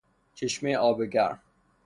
چشمهی آب گرم